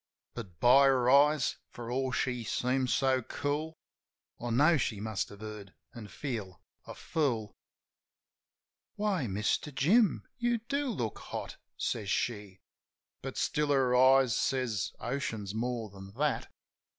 But, by her eyes, for all she seemed so cool, I know she must have heard, an' feel a fool. "Why, Mister Jim? You do look hot," says she. (But still her eyes says oceans more than that).